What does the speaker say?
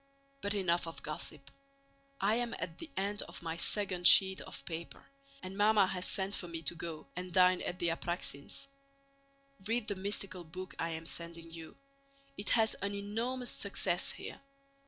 But enough of gossip. I am at the end of my second sheet of paper, and Mamma has sent for me to go and dine at the Apráksins'. Read the mystical book I am sending you; it has an enormous success here.